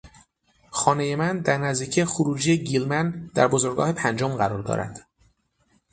خانهی من در نزدیکی خروجی گیلمن در بزرگراه پنجم قرار دارد.